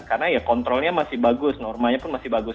karena ya kontrolnya masih bagus normanya pun masih bagus